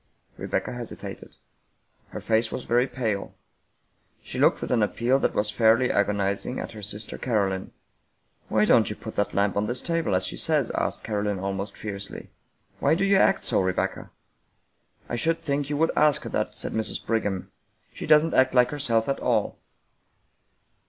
" Rebecca hesitated. Her face was very pale. She looked with an appeal that was fairly agonizing at her sister Caro line. " Why don't you put the lamp on this table, as she says?" asked Caroline, almost fiercely. "Why do you act so, Rebecca? "" I should think you would ask her that," said Mrs. Brig ham. " She doesn't act like herself at all."